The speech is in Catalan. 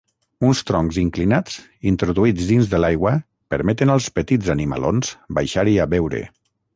Uns troncs inclinats introduïts dins de l'aigua permeten als petits animalons baixar-hi a beure.